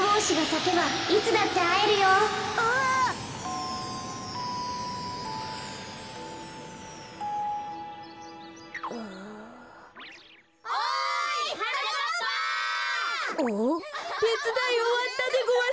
てつだいおわったでごわす！